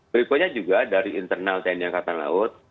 berikutnya juga dari internal tni angkatan laut